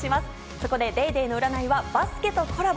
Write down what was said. そこで『ＤａｙＤａｙ．』の占いはバスケとコラボ。